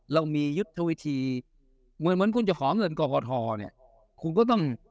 เรามียุทธวิธีเหมือนคุณเจ้าของฝันกรษฐอเนี่ยเขาก็ต้อง